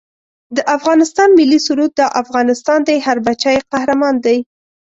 د افغانستان ملي سرود دا افغانستان دی هر بچه یې قهرمان دی